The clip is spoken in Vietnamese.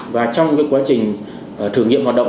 và trong quá trình thử nghiệm hoạt động